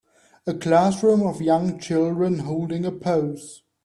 A classroom of young children holding a pose.